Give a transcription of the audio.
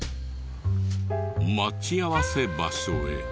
待ち合わせ場所へ。